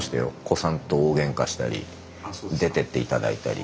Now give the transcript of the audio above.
古参と大げんかしたり出てって頂いたり。